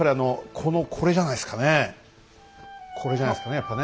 これじゃないですかねやっぱね。